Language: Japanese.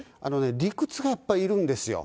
理屈がやっぱりいるんですよ。